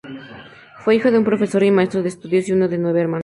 Fue hijo de un profesor y maestro de estudios y uno de nueve hermanos.